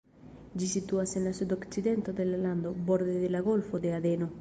Ĝi situas en la sudokcidento de la lando, borde de la Golfo de Adeno.